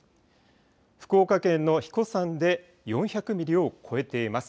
福岡県の英彦山で４００ミリを超えています。